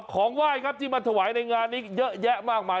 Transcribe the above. ของไหว้ครับที่มาถวายในงานนี้เยอะแยะมากมาย